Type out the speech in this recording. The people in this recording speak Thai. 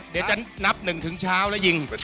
เดี๋ยวฉันนับหนึ่งถึงเช้าแล้วยิง